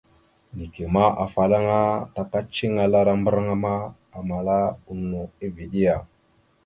Neke ma, afalaŋa ana taka ceŋelara mbarŋa ma, amala no eveɗe yaw ?